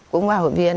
cũng là hội viên